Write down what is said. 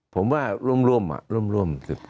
ผมว่าร่วม๑๐คน